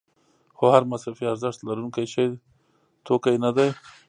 خو هر مصرفي ارزښت لرونکی شی توکی نه دی.